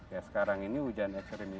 ya sekarang ini hujan ekstrim ini